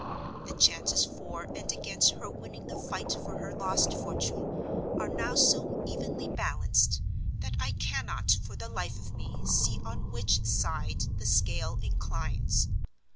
The chances for and against her winning the fight for her lost fortune are now so evenly balanced that I cannot for the life of me see on which side the scale inclines.